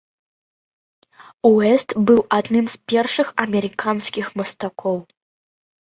Уэст быў адным з першых амерыканскіх мастакоў.